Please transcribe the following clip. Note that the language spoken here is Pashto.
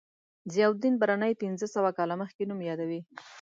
ضیاءالدین برني پنځه سوه کاله مخکې نوم یادوي.